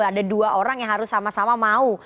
ada dua orang yang harus sama sama mau